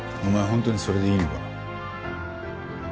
本当にそれでいいのか？